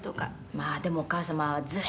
「まあでもお母様はずーっと」